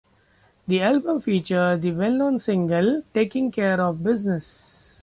The album features the well-known single Takin' Care of Business.